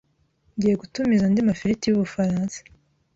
Ngiye gutumiza andi mafiriti yubufaransa.